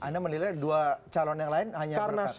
anda menilai dua calon yang lain hanya berkata gitu